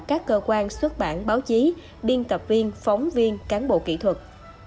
các cơ quan xuất bản báo chí biên tập viên phóng viên cán bộ kỹ thuật